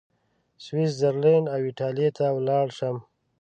سویس زرلینډ او ایټالیې ته ولاړ شم.